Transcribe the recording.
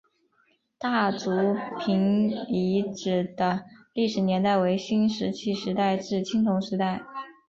大族坪遗址的历史年代为新石器时代至青铜时代。